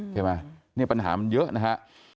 ใช่ไหมเนี่ยปัญหามันเยอะนะฮะ